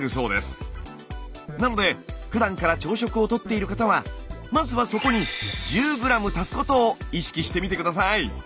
なのでふだんから朝食をとっている方はまずはそこに１０ｇ足すことを意識してみて下さい。